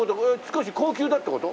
少し高級だって事？